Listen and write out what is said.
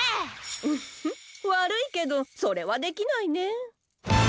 ウフッわるいけどそれはできないねえ。